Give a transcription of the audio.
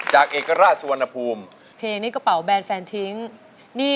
ให้ร้อนหลุดหลุดหลุดหลุด